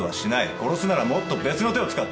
殺すならもっと別な手を使ってるはずだ。